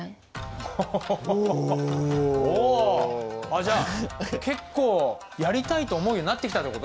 あっじゃあ結構やりたいと思うようになってきたって事？